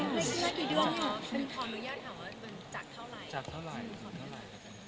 ขออนุญาตค่ะจากเท่าไร